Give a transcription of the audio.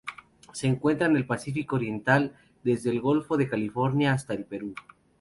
Se encuentra en el Pacífico oriental: desde el Golfo de California hasta el Perú.